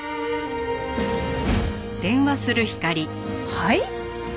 はい？